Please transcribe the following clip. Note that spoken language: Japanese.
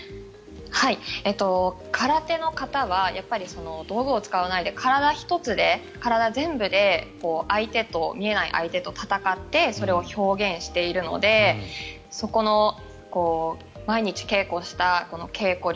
空手の形は道具を使わないで体１つで体全部で見えない相手と戦ってそれを表現しているのでそこの毎日稽古した稽古量